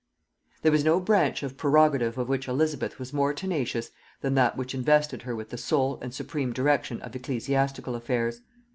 There was no branch of prerogative of which Elizabeth was more tenacious than that which invested her with the sole and supreme direction of ecclesiastical affairs.